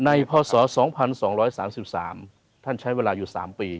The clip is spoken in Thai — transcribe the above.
พศ๒๒๓๓ท่านใช้เวลาอยู่๓ปี